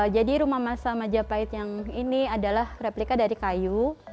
jadi rumah masa majapahit yang ini adalah replika dari kayu